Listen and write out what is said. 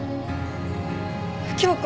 京子。